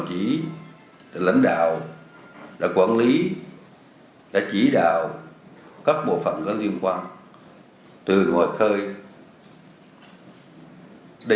chỉ lãnh đạo quản lý đã chỉ đạo các bộ phận có liên quan từ ngồi khơi đến